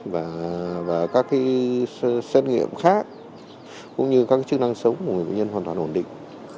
và các xét nghiệm khác cũng như các chức năng sống của người bệnh nhân hoàn toàn ổn định